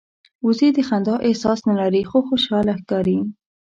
وزې د خندا احساس نه لري خو خوشاله ښکاري